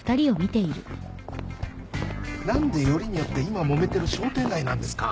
何でよりによって今もめてる商店街なんですか。